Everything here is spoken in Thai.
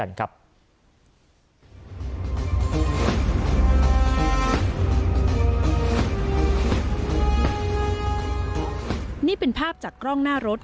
นี่เป็นภาพจากกล้องหน้ารถ